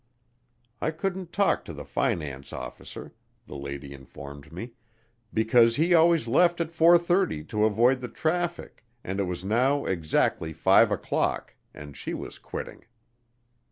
I couldn't talk to the finance officer, the lady informed me, because he always left at 4:30 to avoid the traffic and it was now exactly five o'clock and she was quitting.